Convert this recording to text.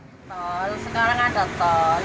tol sekarang ada tol